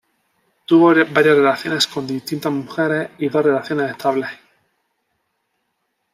Tuvo varias relaciones con distintas mujeres y dos relaciones estables.